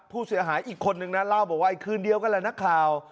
ผู้เสียหายอีกคนหนึ่งนะเล่าบอกว่าอีกคืนเดียวก็แล้วนะข่าว